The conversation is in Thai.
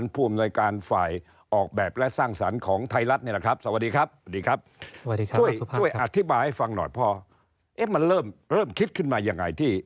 พอมันเริ่มคิดขึ้นมายังไง